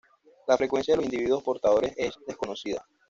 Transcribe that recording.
La frecuencia de los individuos portadores es desconocida.